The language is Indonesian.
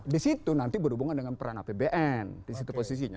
di situ nanti berhubungan dengan peran apbn di situ posisinya